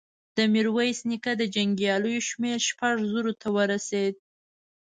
د ميرويس نيکه د جنګياليو شمېر شپږو زرو ته ورسېد.